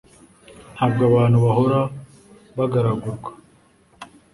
ntabwo abantu bahora bagaragurwa